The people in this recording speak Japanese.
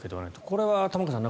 これは玉川さん